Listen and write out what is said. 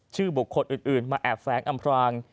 ชื่อบุคคลอื่นมาแอบแฝงอำพราง